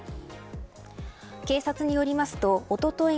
警察によりますとおととい